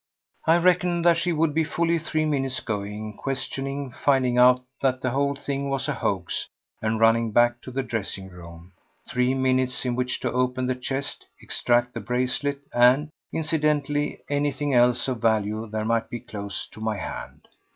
I reckoned that she would be fully three minutes going, questioning, finding out that the whole thing was a hoax, and running back to the dressing room—three minutes in which to open the chest, extract the bracelet and, incidentally, anything else of value there might be close to my hand.